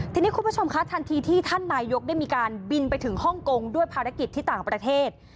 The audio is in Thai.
ทีนี้คุณผู้ชมคะทันทีที่ท่านนายกได้มีการบินไปถึงฮ่องกงด้วยภารกิจที่ต่างประเทศ